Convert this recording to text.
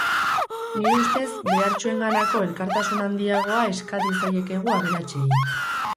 Nire ustez, behartsuenganako elkartasun handiagoa eska diezaiekegu aberatsei.